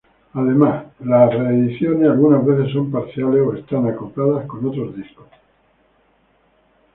Además las reediciones algunas veces son parciales o están acopladas con otros discos.